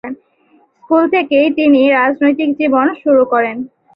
School থেকেই তিনি রাজনৈতিক জীবন শুরু করেন।